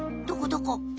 どこどこ？